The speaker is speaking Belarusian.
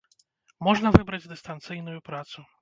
Можна выбраць дыстанцыйную працу.